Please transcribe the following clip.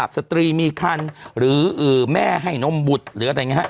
สตรีมิคันหรือแม่ให้นมบุตรหรืออะไรไงครับ